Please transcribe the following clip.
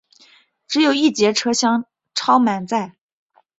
只有一节车厢超满载